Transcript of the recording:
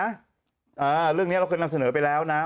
อ่าเรื่องนี้เค้านำเสนอไปแล้วนะ